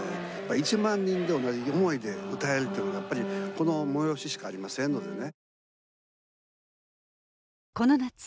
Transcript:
１万人で同じ思いで歌えるってやっぱりこの催ししかありませんのでね。